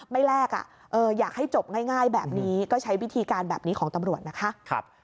แลกอยากให้จบง่ายแบบนี้ก็ใช้วิธีการแบบนี้ของตำรวจนะคะ